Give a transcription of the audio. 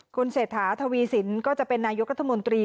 คุณเศรษฐาทวีสินก็จะเป็นนายกรัฐมนตรี